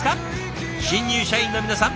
新入社員の皆さん